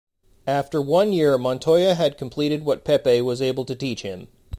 After one year Montoya had completed what Pepe was able to teach him.